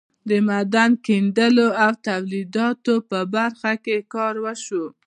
د معدن کیندلو او تولیداتو په برخه کې کار وشو.